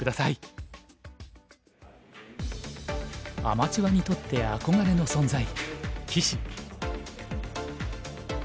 アマチュアにとって憧れの存在棋士。